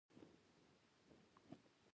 تاسو په انځور کې څه شی وینئ؟